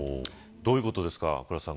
どういうことですか、倉田さん